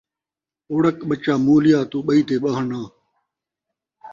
اوڑک ٻچہ مُولیا! توں ہٹی تے ٻہݨا